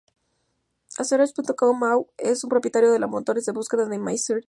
Ansearch.com.au es propietario de los motores de búsqueda y Mysearch.com.au.